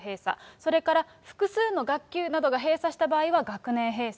それから複数の学級などが閉鎖した場合は学年閉鎖。